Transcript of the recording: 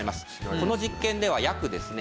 この実験では約ですね